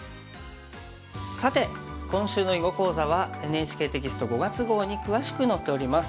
さて今週の囲碁講座はＮＨＫテキスト５月号に詳しく載っております。